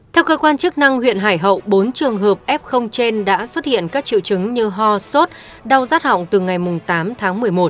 theo cơ quan chức năng huyện hải hậu bốn trường hợp f trên đã xuất hiện các triệu chứng như ho sốt đau rát hỏng từ ngày tám tháng một mươi một